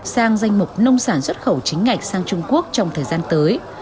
sang danh mục nông sản xuất khẩu chính ngạch sang trung quốc trong thời gian tới